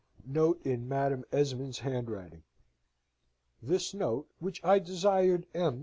Note in Madam Esmond's Handwriting "This note, which I desired M.